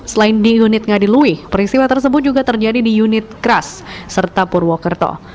selain di unit ngadiluih peristiwa tersebut juga terjadi di unit kras serta purwokerto